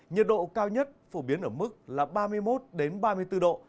nhiệt độ cao nhất phổ biến ở mức là ba mươi một ba mươi bốn độ